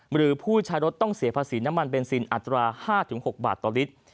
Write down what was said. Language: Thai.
หรือผู้ใช้รถต้องเสียภาษีน้ำมันเบนซินอัตรา๕๖บาทต่อลิตร